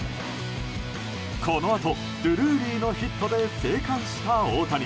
このあとドゥルーリーのヒットで生還した大谷。